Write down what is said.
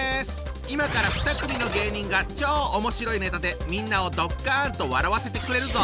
今から２組の芸人が超面白いネタでみんなをドッカンと笑わせてくれるぞ！